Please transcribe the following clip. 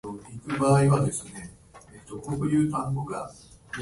マントヒヒとチンパンジー